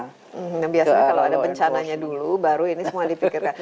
nah biasanya kalau ada bencananya dulu baru ini semua dipikirkan